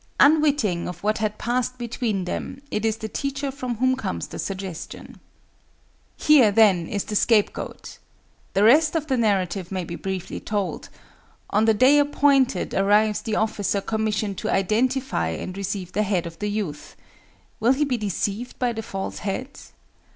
Unwitting of what had passed between them, it is the teacher from whom comes the suggestion. Here, then, is the scape goat!—The rest of the narrative may be briefly told.—On the day appointed, arrives the officer commissioned to identify and receive the head of the youth. Will he be deceived by the false head?